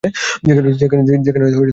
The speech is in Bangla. যেখানে তুমিও নিয়েছিলে।